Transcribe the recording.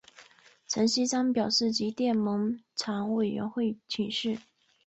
陈锡璋表示即电蒙藏委员会请示。